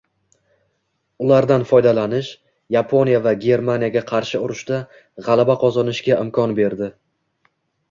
ulardan foydalanish Yaponiya va Germaniyaga qarshi urushda g‘alaba qozonishga imkon berdi.